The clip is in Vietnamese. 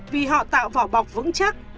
vì họ tạo vỏ bọc vững chắc